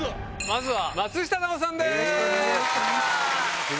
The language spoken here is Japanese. まずは松下奈緒さんです。